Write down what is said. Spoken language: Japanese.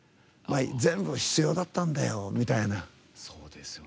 全部必要だったんだよみたいな。